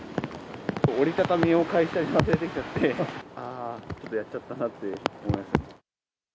折り畳みを会社に忘れてきてしまって、あー、ちょっとやっちゃったなって思いました。